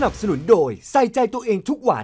สนุนโดยใส่ใจตัวเองทุกวัน